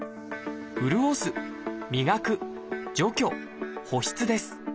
「潤す」「磨く」「除去」「保湿」です。